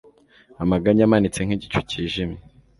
Amaganya amanitse nkigicu cyijimye